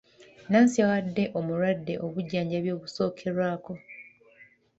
Nnansi yawadde omulwadde obujjanjabi obusookerwako.